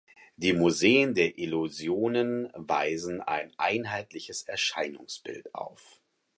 Die Museen der Illusionen weisen ein einheitliches Erscheinungsbild auf.